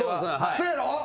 せやろ？